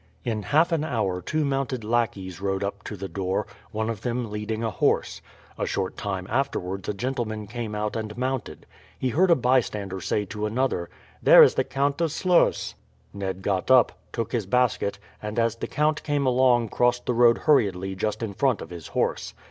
In half an hour two mounted lackeys rode up to the door, one of them leading a horse. A short time afterwards a gentleman came out and mounted. He heard a bystander say to another, "There is the Count of Sluys." Ned got up, took his basket, and as the count came along crossed the road hurriedly just in front of his horse.